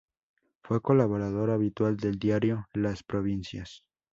Fue colaborador habitual del diario "Las Provincias".